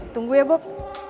tunggu ya bob